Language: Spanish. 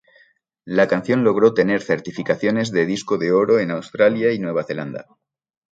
La canción logró tener certificaciones de disco de oro en Australia y Nueva Zelanda.